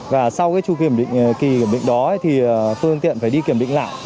và sau chu kỳ kiểm định đó thì phương tiện phải đi kiểm định lại